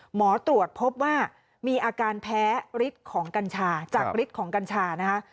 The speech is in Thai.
หมอตรวจพบว่ามีอาการแพ้ฤทธิ์ของกัญชาจากฤทธิ์ของกัญชานะคะ